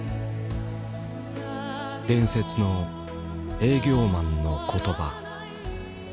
伝説の営業マンの言葉。